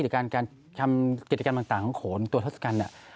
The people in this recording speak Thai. หรือการทำกิจกรรมต่างของโขนตัวทศกัณฐ์